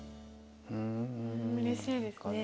うれしいですね。